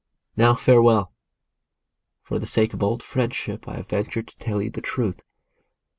Now, farewell ! For the sake of old friendship I have ventured to tell you the truth.